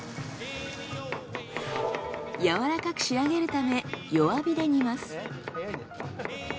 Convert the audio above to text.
やわらかく仕上げるため弱火で煮ます。